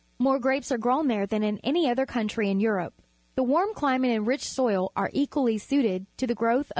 More grapes are grown there than in any other count rj^ in Europe. The warm climate and ridi^soiL are equallj' suited to the growih of